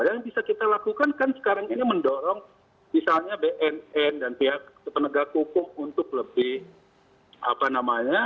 yang bisa kita lakukan kan sekarang ini mendorong misalnya bnn dan pihak penegak hukum untuk lebih apa namanya